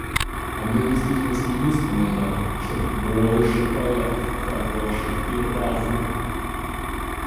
А мне в действительности единственное надо — чтоб больше поэтов хороших и разных.